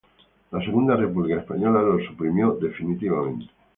La Segunda República Española lo suprimió definitivamente.